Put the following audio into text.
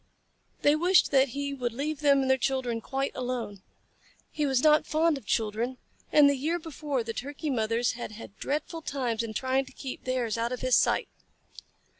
They wished that he would leave them and their children quite alone. He was not fond of children, and the year before the Turkey mothers had had dreadful times in trying to keep theirs out of his sight.